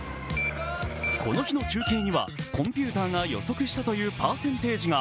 この日の中継にはコンピューターが予測したというパーセンテージが。